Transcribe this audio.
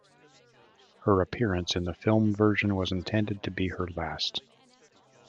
Her appearance in the film version was intended to be her last.